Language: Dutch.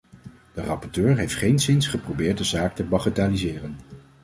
De rapporteur heeft geenszins geprobeerd de zaak te bagatelliseren.